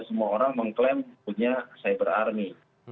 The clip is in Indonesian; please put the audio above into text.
semua orang mengklaim punya cyber army